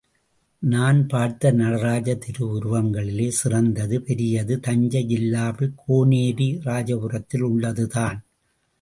நான் பார்த்த நடராஜர் திருவுருவங்களிலே சிறந்தது, பெரியது, தஞ்சை ஜில்லாவில் கோனேரி ராஜபுரத்தில் உள்ளதுதான்.